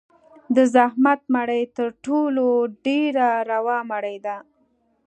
د زحمت مړۍ تر ټولو ډېره روا مړۍ ده.